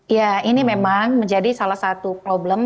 ya ini memang menjadi salah satu problem